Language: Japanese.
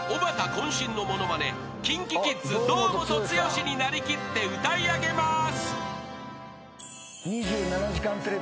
渾身のものまねＫｉｎＫｉＫｉｄｓ堂本剛に成りきって歌い上げます］